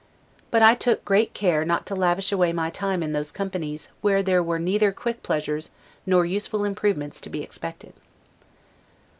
But I took great care not to lavish away my time in those companies where there were neither quick pleasures nor useful improvements to be expected.